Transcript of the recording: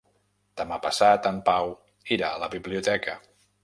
Demà passat en Pau irà a la biblioteca.